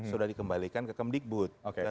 sudah dikembalikan ke kemdikbud